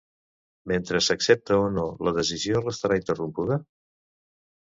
Mentre s'accepta o no, la decisió restarà interrompuda?